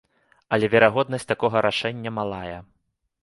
Але верагоднасць такога рашэння малая.